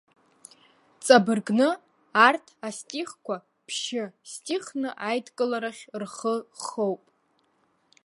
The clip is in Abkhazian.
Ҵабыргны, арҭ астихқәа ԥшьы-стихны аидыларахь рхы хоуп.